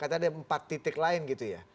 katanya ada empat titik lain gitu ya